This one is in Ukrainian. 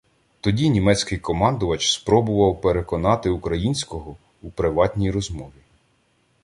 Тоді німецький командувач спробував переконати українського у приватній розмові.